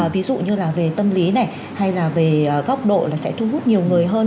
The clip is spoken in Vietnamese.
ví dụ như là về tâm lý này hay là về góc độ là sẽ thu hút nhiều người hơn